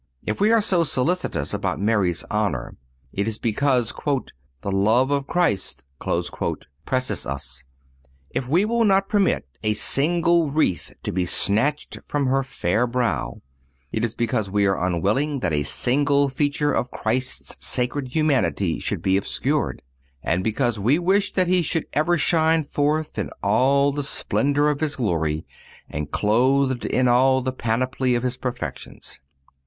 If we are so solicitous about Mary's honor, it is because "the love of Christ" presseth us. If we will not permit a single wreath to be snatched from her fair brow, it is because we are unwilling that a single feature of Christ's sacred humanity should be obscured, and because we wish that He should ever shine forth in all the splendor of His glory, and clothed in all the panoply of His perfections.